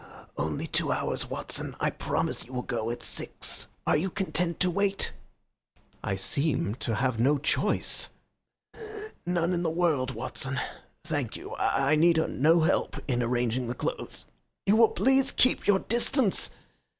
"Only two hours, Watson. I promise you will go at six. Are you content to wait?" "I seem to have no choice." "None in the world, Watson. Thank you, I need no help in arranging the clothes. You will please keep your distance.